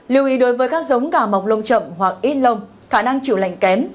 liệu ý đối với các giống cả mọc lông chậm hoặc ít lông khả năng chịu lạnh kém